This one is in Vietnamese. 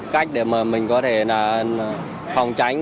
cách để mình có thể phòng tránh